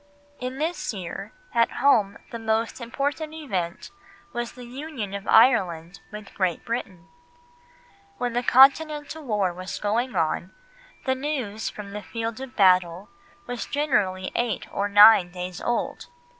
In this year, at home the most important event was the Union of Ireland with Great Britain. When the Continental war was going on, the news from the field of battle was generally eight or nine days old.